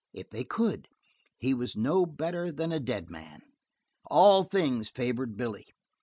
If they could, he was no better than a dead man. All things favored Billy.